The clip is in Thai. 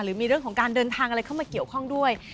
หรือมีเรื่องของการเดินทางอะไรเข้ามาเกี่ยวข้องด้วย